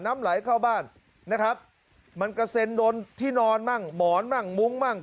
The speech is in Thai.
น้ำไหลเข้าบ้านนะครับมันกระเซ็นโดนที่นอนมั่งหมอนมั่งมุ้งมั่ง